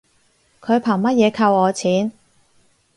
佢憑乜嘢扣我錢